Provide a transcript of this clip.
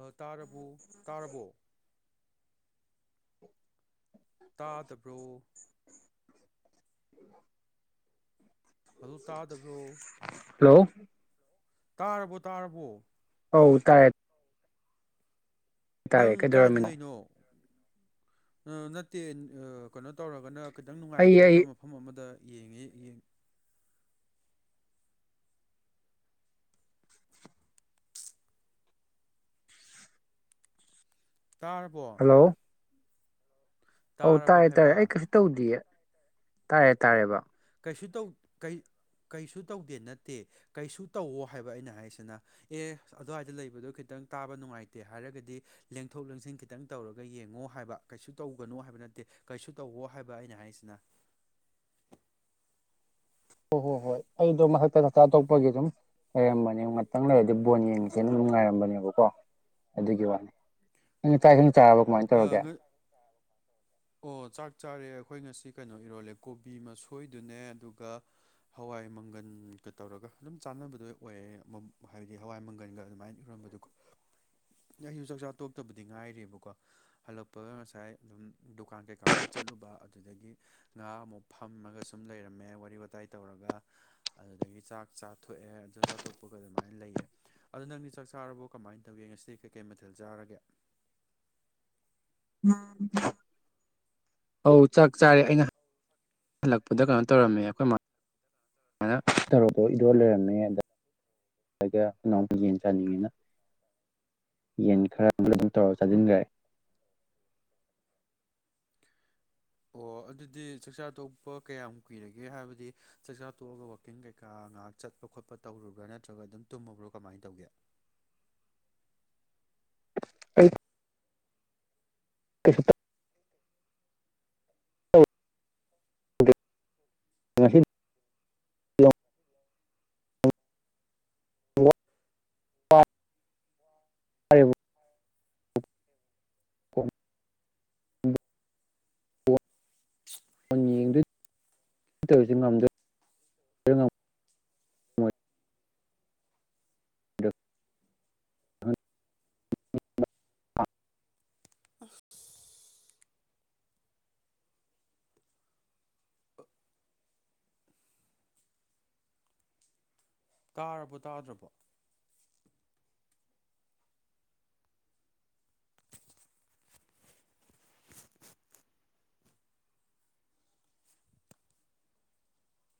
ꯑꯥ ꯇꯥꯔꯕꯣ ꯇꯥꯔꯕꯣ INAUDIBLE ꯇꯥꯗꯕ꯭ꯔꯣ INAUDIBLE ꯍꯜꯂꯣ ꯇꯥꯗꯕ꯭ꯔꯣ ꯍꯜꯂꯣ ꯇꯥꯔꯕꯣꯇꯥꯔꯕꯣ ꯑꯧ ꯇꯥꯏꯌꯦ ꯅꯪ ꯀꯥꯏꯗ ꯀꯩꯗꯧꯔꯝꯃꯤꯅꯣ ꯂꯩꯅꯣ ꯑꯥ ꯅꯠꯇꯦ ꯑꯥ ꯀꯩꯅꯣ ꯇꯧꯔꯒꯅ ꯈꯤꯇꯪ ꯑꯩ ꯑꯩ ꯅꯨꯡꯉꯥꯏꯒꯗꯕ ꯃꯐꯝ ꯑꯃꯗ ꯌꯦꯡꯉꯤ ꯢꯟ ꯇꯥꯔꯕꯣ ꯍꯜꯂꯣ ꯑꯧ ꯇꯥꯔꯕ ꯇꯥꯢꯇꯥꯢ ꯑꯩ ꯍꯥꯏꯕ ꯀꯩꯁꯨ ꯇꯧꯗꯤꯌꯦ ꯇꯥꯢ ꯇꯥꯢꯌꯦꯕ ꯀꯩꯁꯨ ꯇꯧ ꯀꯩ ꯀꯩꯁꯨ ꯇꯧꯗꯦ ꯅꯠꯇꯦ ꯀꯩꯁꯨ ꯇꯧꯑꯣ ꯍꯥꯏꯕ ꯑꯩꯅ ꯍꯥꯏꯖꯤꯅ ꯑꯦ ꯑꯗꯨꯋꯥꯏꯗ ꯂꯩꯕꯗꯣ ꯈꯤꯇꯪ ꯈꯤꯇꯪ ꯇꯥꯕ ꯅꯨꯡꯉꯥꯏꯇꯦ ꯍꯥꯏꯔꯒꯗꯤ ꯂꯦꯡꯊꯣꯛ ꯂꯦꯡꯁꯤꯟ ꯈꯤꯇꯪ ꯇꯧꯔꯒ ꯌꯦꯡꯉꯣ ꯍꯥꯏꯕ ꯀꯩꯁꯨ ꯇꯧꯒꯅꯨ ꯍꯥꯏꯕ ꯅꯠ ꯇꯦ ꯀꯩꯁꯨ ꯇꯧꯑꯣ ꯍꯥꯏꯕ ꯑꯩꯅ ꯍꯥꯏꯁꯤꯅ INAUDIBLE ꯍꯣ ꯍꯣ ꯍꯣꯏ ꯑꯩꯗꯣ ꯃꯊꯛꯇ ꯆꯥꯛ ꯇꯣꯛꯄꯒꯤ ꯑꯗꯨꯝ ꯂꯩꯔꯝꯕꯅꯦ ꯉꯇꯪ ꯂꯩꯔꯗꯤ ꯕꯣꯟ ꯌꯦꯡꯉꯖꯦꯅ ꯅꯨꯡꯉꯥꯏꯔꯝꯕꯅꯦꯕꯀꯣ ꯑꯗꯨꯒꯤ ꯋꯥꯅꯤ ꯅꯪꯗꯤ ꯆꯥꯛ-ꯏꯁꯤꯡ ꯆꯥꯔꯕꯣ ꯀꯃꯥꯏꯟ ꯇꯧꯔꯒꯦ ꯑ ꯑꯣ ꯆꯥꯛ ꯆꯥꯔꯦ ꯑꯩꯈꯣꯏ ꯉꯁꯤ ꯀꯩꯅꯣ ꯏꯔꯣꯜꯂꯦ ꯀꯣꯕꯤ ꯃꯁꯣꯏꯗꯨꯅꯦ ꯑꯗꯨꯒ ꯍꯋꯥꯏ ꯃꯪꯒꯟ ꯇꯧꯔꯒ ꯑꯗꯨꯝ ꯆꯥꯟꯅꯕꯗꯣ ꯑꯣꯏꯌꯦ ꯃꯝ ꯍꯥꯏꯕꯗꯤ ꯍꯋꯥꯏ ꯃꯪꯒꯜꯒ ꯑꯗꯨꯃꯥꯏꯅ ꯏꯔꯣꯝꯕꯗꯣꯀꯣ ꯑꯩꯖꯨ ꯆꯥꯛꯆꯥ ꯇꯣꯛꯇꯕꯗꯤ ꯉꯥꯏꯔꯤꯕꯀꯣ ꯍꯜꯂꯛꯄꯒ ꯉꯁꯥꯏ ꯑꯗꯨꯝ ꯗꯨꯀꯥꯟ ꯀꯩꯀꯥ ꯈꯔ ꯆꯠꯂꯨꯕ ꯑꯗꯨꯗꯒꯤ ꯉꯥꯍꯥꯛ ꯑꯃꯨꯛ ꯐꯝ ꯃꯒ ꯁꯨꯝ ꯂꯩꯔꯝꯃꯦ ꯋꯥꯔꯤ- ꯋꯥꯇꯥꯏ ꯇꯧꯔꯒ ꯑꯗꯨꯗꯒꯤ ꯆꯥꯛ ꯆꯥꯊꯣꯛꯑꯦ ꯑꯗꯨ ꯆꯥꯛꯆꯥꯇꯣꯛꯄꯒꯥ ꯃꯥꯏ ꯂꯩꯌꯦ ꯑꯗꯣ ꯅꯪꯗꯤ ꯆꯥꯛ ꯆꯥꯔꯕꯣ ꯀꯃꯥꯏ ꯇꯧꯒꯦ ꯉꯁꯤꯗꯤ ꯀꯩꯀꯩ ꯃꯊꯦꯜ ꯆꯥꯔꯒꯦ INAUDIBLE ꯑꯧ ꯆꯥꯛ ꯆꯥꯢꯌꯦ ꯑꯩꯅ ꯍꯜꯂꯛꯄꯗ ꯀꯩꯅꯣ ꯇꯧꯔꯝꯃꯦ ꯑꯩꯈꯣꯏ ꯃꯥ ꯁꯨꯃꯥꯏꯅ ꯇꯧꯔꯒ ꯏꯔꯣꯜ ꯂꯩꯔꯝꯃꯦ ꯑꯗꯨ ꯁꯩꯗꯥ ꯏꯅꯥꯎꯄꯤ ꯌꯦꯟ ꯆꯥꯅꯤꯡꯉꯦꯅ ꯌꯦꯟ ꯈꯔ ꯑꯗꯨ ꯇꯧꯔ ꯆꯥꯖꯤꯟꯒꯔꯦ INAUDIBLE ꯑꯣ ꯑꯗꯨꯗꯤ ꯆꯥꯛꯆꯥ ꯇꯣꯛꯄ ꯀꯌꯥꯝ ꯀꯨꯏꯔꯒꯦ ꯍꯥꯏꯕꯗꯤ ꯆꯥꯛꯆꯥ ꯇꯣꯛꯑꯒ ꯋꯥꯛꯀꯤꯡ ꯀꯩꯀꯥ ꯉꯍꯥꯛ ꯆꯠ ꯈꯣꯠꯄ- ꯇꯧꯔꯨꯕ꯭ꯔꯥ ꯅꯠꯇ꯭ꯔꯒ ꯑꯗꯨꯝ ꯇꯨꯝꯃꯕ꯭ꯔꯣ ꯀꯝꯃꯥꯏꯅ ꯇꯧꯒꯦ [inaudible] ꯑꯩ [inaudible] ꯇꯧꯗ꯭ꯔꯦ [inaudible] [inaudible] [inaudible] [inaudible] [inaudible] [inaudible] [inaudible] [inaudible] ꯇꯥꯔꯕꯣ ꯇꯥꯗ꯭ꯔꯕꯣ